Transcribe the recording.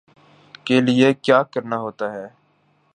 کے لیے کیا کرنا ہوتا ہے